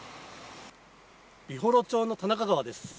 美幌町の田中川です。